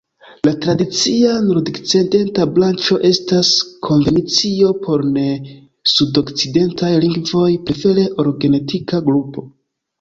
La tradicia nordokcidenta branĉo estas konvencio por ne-sudokcidentaj lingvoj, prefere ol genetika grupo.